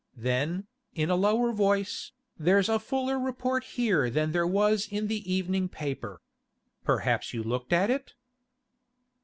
Then, in a lower voice, 'There's a fuller report here than there was in the evening paper. Perhaps you looked at it?